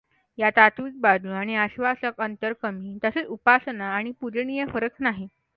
या तात्विक बाजू आणि आश्वासक अंतर कमी, तसेच उपासना आणि पूजनीय फरक नाही.